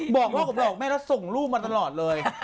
บอกพ่อกับบอกแม่แล้วส่งลูกมาตลอดเลย